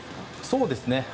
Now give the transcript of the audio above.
そうですね。